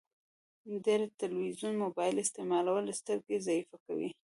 ډير تلويزون مبايل استعمالول سترګي ضعیفه کوی